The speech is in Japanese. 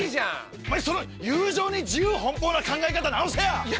お前友情に自由奔放な考え方直せよ！